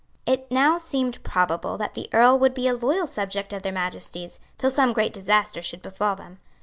It now seemed probable that the Earl would be a loyal subject of their Majesties, till some great disaster should befall them.